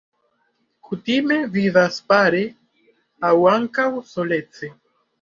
Kutime vivas pare, aŭ ankaŭ solece.